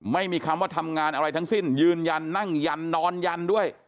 ไม่มีคำว่าทำงานอะไรทั้งสิ้นยืนยันนั่งยันนอนยันด้วย